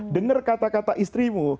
dengar kata kata istrimu